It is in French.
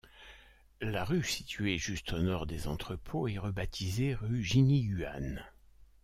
La rue située juste au Nord des entrepôts est rebaptisée rue Jinyuan.